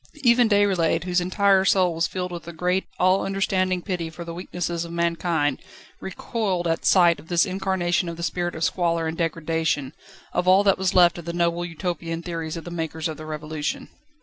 Even Déroulède, whose entire soul was filled with a great, all understanding pity for the weaknesses of mankind, recoiled at sight of this incarnation of the spirit of squalor and degradation, of all that was left of the noble Utopian theories of the makers of the Revolution.